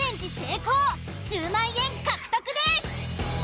１０万円獲得です。